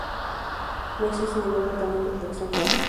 No existe ningún tratamiento de elección claro.